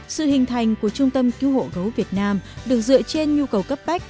sự hình thành của trung tâm cứu hộ gấu việt nam được dựa trên nhu cầu cấp bách